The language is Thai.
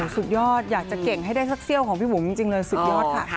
สุดยอดอยากจะเก่งให้ได้สักเซี่ยวของพี่บุ๋มจริงเลยสุดยอดค่ะ